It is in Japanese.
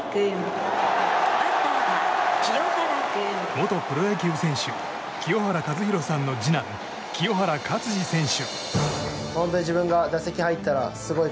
元プロ野球選手、清原和博さんの次男・清原勝児選手。